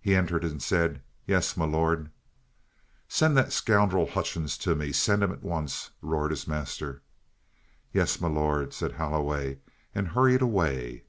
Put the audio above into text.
He entered and said: "Yes, m'lord?" "Send that scoundrel Hutchings to me! Send him at once!" roared his master. "Yes, m'lord," said Holloway, and hurried away.